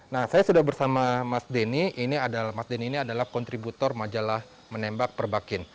nah saya sudah bersama mas denny mas denny ini adalah kontributor majalah menembak perbakin